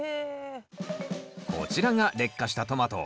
こちらが裂果したトマト。